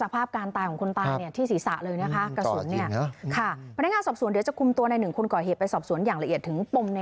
ไม่ได้ตั้งใจยิงฮะอ๋อไปฟังเสียงค่ะ